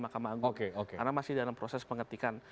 makam agung karena masih dalam proses pengetahuan